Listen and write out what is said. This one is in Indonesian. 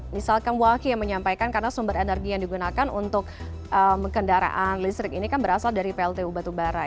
misalkan waki yang menyampaikan karena sumber energi yang digunakan untuk kendaraan listrik ini kan berasal dari pltu batubara